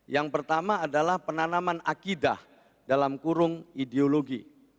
yang pertama adalah penanaman akidah dalam kurung ideologi